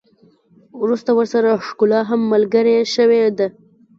وروسته ورسره ښکلا هم ملګرې شوې ده.